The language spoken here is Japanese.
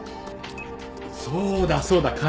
そうだそうだ。